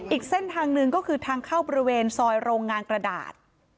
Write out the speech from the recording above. อีกเส้นทางหนึ่งก็คือทางเข้าบริเวณซอยโรงงานกระดาษ